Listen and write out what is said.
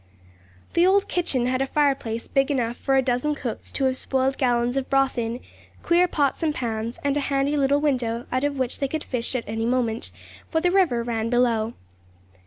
The old kitchen had a fireplace big enough for a dozen cooks to have spoiled gallons of broth in, queer pots and pans, and a handy little window, out of which they could fish at any moment, for the river ran below.